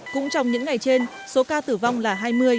cũng trong những ngày trên số ca tử vong là hai mươi